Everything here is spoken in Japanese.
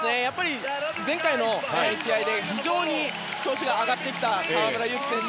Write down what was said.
前回の試合で非常に調子が上がってきた河村勇輝選手